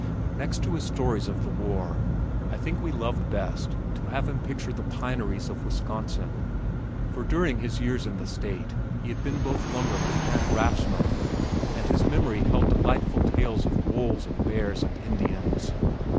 Next to his stories of the war I think we loved best to have him picture "the pineries" of Wisconsin, for during his first years in the State he had been both lumberman and raftsman, and his memory held delightful tales of wolves and bears and Indians.